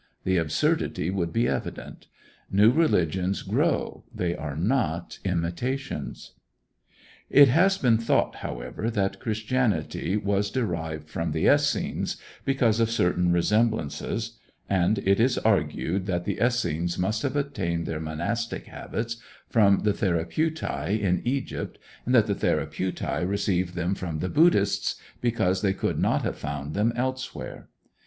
The absurdity would be evident. New religions grow, they are not imitations. It has been thought, however, that Christianity was derived from the Essenes, because of certain resemblances, and it is argued that the Essenes must have obtained their monastic habits from the Therapeutæ in Egypt, and that the Therapeutæ received them from the Buddhists, because they could not have found them elsewhere.